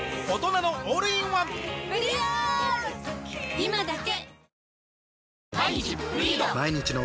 今だけ！